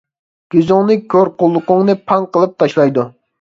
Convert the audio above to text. كۆزۈڭنى كور، قۇلىقىڭنى پاڭ قىلىپ تاشلايدۇ!